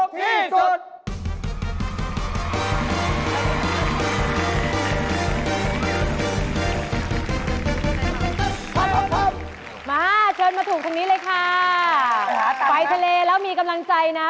แต่ว่าอาหารทะเลที่ยกมาตรงนี้สิคะ